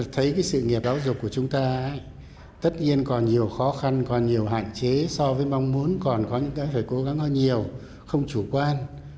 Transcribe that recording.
thấy cái sự nghiệp giáo dục của chúng ta tất nhiên còn nhiều khó khăn còn nhiều hạn chế so với mong muốn còn có những cái phải cố gắng hơn nhiều không chủ quan